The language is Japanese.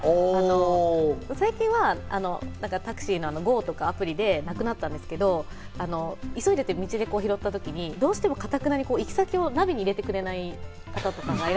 最近はＧＯとか、アプリでなくなったんですけど、急いでて、道で拾ったときに、かたくなに行き先をナビに入れてくれない方とかい